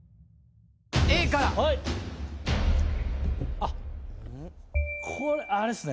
あっこれあれっすね。